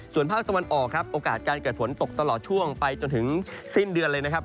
ส่วนภาคตะวันออกครับโอกาสการเกิดฝนตกตลอดช่วงไปจนถึงสิ้นเดือนเลยนะครับ